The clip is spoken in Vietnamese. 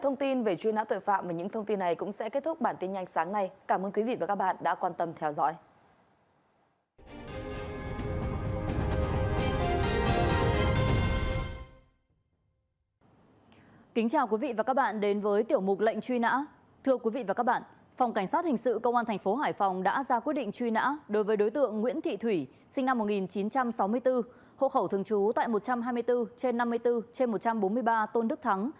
nguyễn thị thủy sinh năm một nghìn chín trăm sáu mươi bốn hộ khẩu thường trú tại một trăm hai mươi bốn trên năm mươi bốn trên một trăm bốn mươi ba tôn đức thắng